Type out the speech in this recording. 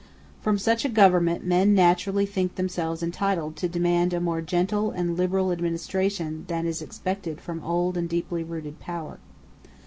From such a government men naturally think themselves entitled to demand a more gentle and liberal administration than is expected from old and deeply rooted power.